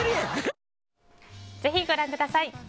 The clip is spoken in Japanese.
ぜひご覧ください。